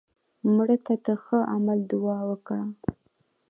مړه ته د ښه عمل دعا وکړه